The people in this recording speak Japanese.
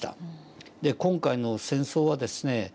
今回の戦争はですね